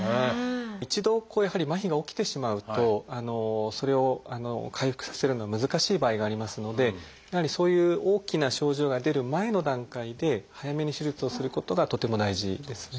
一度やはり麻痺が起きてしまうとそれを回復させるのは難しい場合がありますのでやはりそういう大きな症状が出る前の段階で早めに手術をすることがとっても大事ですね。